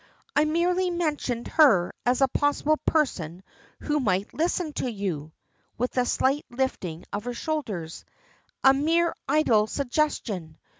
"I merely mentioned her as a possible person who might listen to you," with a slight lifting of her shoulders. "A mere idle suggestion.